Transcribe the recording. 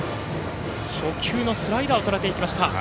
初球のスライダーを当てていきました。